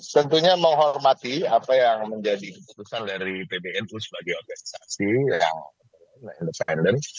tentunya menghormati apa yang menjadi keputusan dari pbnu sebagai organisasi yang independen